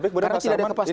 karena tidak ada kepastian